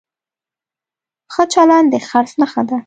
ښه چلند د خرڅ نښه ده.